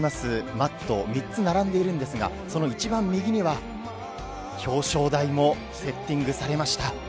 マット３つ並んでいるんですが、その一番右には表彰台もセッティングされました。